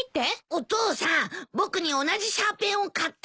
お父さん僕に同じシャーペンを買って。